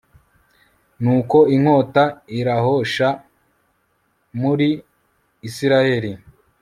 nuko inkota irahosha muri israheli